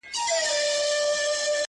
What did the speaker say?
ولي پردۍ مینې ته لېږو د جهاني غزل.!